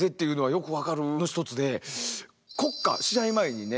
国歌試合前にね